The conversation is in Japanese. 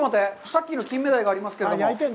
さっきのキンメダイがありますけど。